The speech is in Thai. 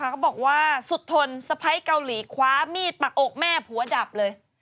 เขาบอกว่าสุดทนสะพ้ายเกาหลีคว้ามีดปักอกแม่ผัวดับเลย